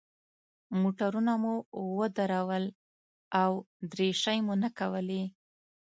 موټرونه مو ودرول او دریشۍ مو نه کولې.